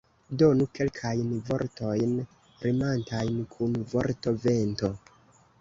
Donu kelkajn vortojn rimantajn kun vorto vento.